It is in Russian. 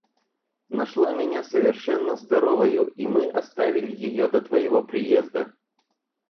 Нашла меня совершенно здоровою, и мы оставили ее до твоего приезда.